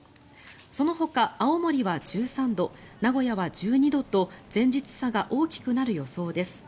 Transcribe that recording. そのほか、青森は１３度名古屋は１２度と前日差が大きくなる予想です。